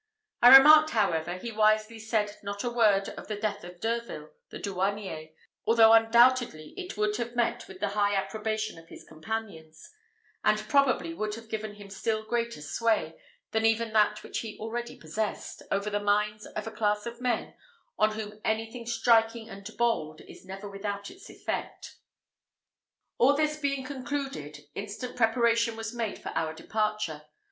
I remarked, however, he wisely said not a word of the death of Derville the douanier, although undoubtedly it would have met with the high approbation of his companions; and probably would have given him still greater sway, than even that which he already possessed, over the minds of a class of men, on whom anything striking and bold is never without its effect. All this being concluded, instant preparation was made for our departure.